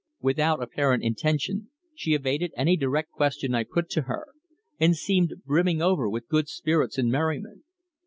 Without apparent intention she evaded any direct question I put to her, and seemed brimming over with good spirits and merriment.